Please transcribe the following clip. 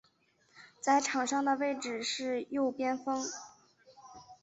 在场上的位置是右边锋。